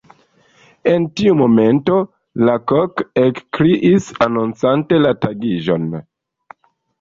En tiu momento la kok ekkriis, anoncante la tagiĝon.